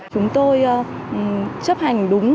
chúng tôi chấp hành đúng